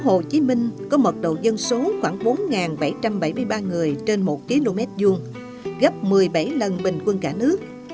hồ chí minh có mật độ dân số khoảng bốn bảy trăm bảy mươi ba người trên một km vuông gấp một mươi bảy lần bình quân cả nước